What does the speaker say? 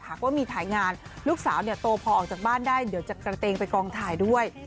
หากว่ามีถ่ายงานลูกสาวโตพอออกจากบ้านได้เดี๋ยวจะกระเตงไปกองถ่ายด้วย